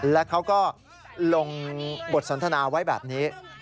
และเขาก็ลงบทสนทนาไว้แบบนี้